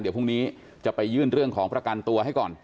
เดี๋ยวพรุ่งนี้จะไปยื่นเรื่องของประกันตัวให้ก่อน